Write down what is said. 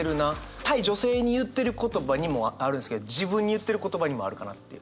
対女性に言ってる言葉にもあるんですけど自分に言ってる言葉にもあるかなっていう。